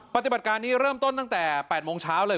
ปฏิบัติการนี้เริ่มต้นตั้งแต่๘โมงเช้าเลย